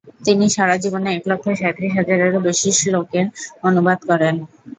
তিনি সারা জীবনে এক লক্ষ সাঁইত্রিশ হাজারেরও বেশি শ্লোকের অনুবাদ করেন।